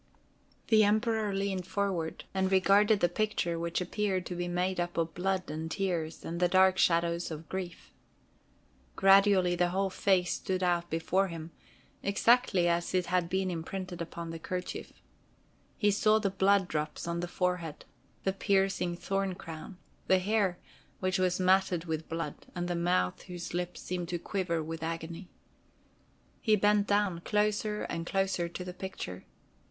The Emperor leaned forward and regarded the picture, which appeared to be made up of blood and tears and the dark shadows of grief. Gradually the whole face stood out before him, exactly as it had been imprinted upon the kerchief. He saw the blood drops on the forehead, the piercing thorn crown, the hair, which was matted with blood, and the mouth whose lips seemed to quiver with agony. He bent down closer and closer to the picture.